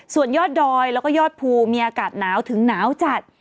ส่วนยอดดอยแล้วก็ยอดภูมีอากาศหนาวถึงหนาวจัด